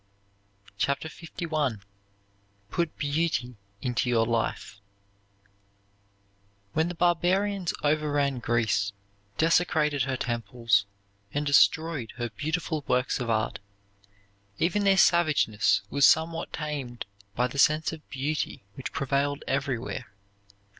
CHAPTER LI PUT BEAUTY INTO YOUR LIFE When the barbarians overran Greece, desecrated her temples, and destroyed her beautiful works of art, even their savageness was somewhat tamed by the sense of beauty which prevailed everywhere.